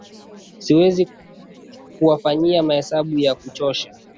siwezi kuwafanyia mahesabu ya kuchosha